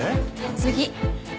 次。